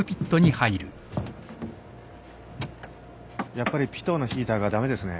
やっぱりピトーのヒーターが駄目ですね。